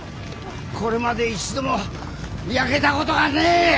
これまで一度も焼けたことがねえ！